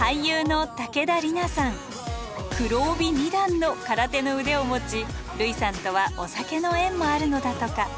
黒帯二段の空手の腕を持ち類さんとはお酒の縁もあるのだとか。